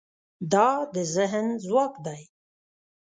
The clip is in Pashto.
دا د ذهن ځواک دی.